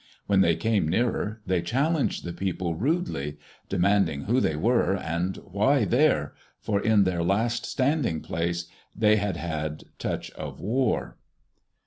When they came nearer, they challenged the people rudely, demanding who they were and why there, for in their last standing place they had had touch of war.